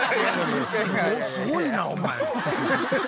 すごいなお前。